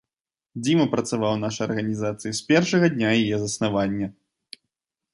Дзіма працаваў у нашай арганізацыі з першага дня яе заснавання.